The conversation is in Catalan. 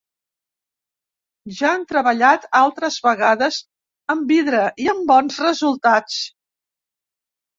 Ja han treballat altres vegades amb vidre i amb bons resultats.